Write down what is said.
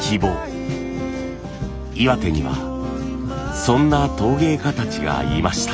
岩手にはそんな陶芸家たちがいました。